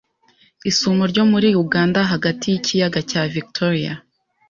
Isumo ryo muri Uganda hagati y'Ikiyaga cya Victoria